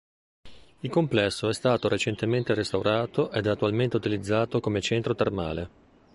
Il complesso è stato recentemente restaurato ed è attualmente utilizzato come centro termale.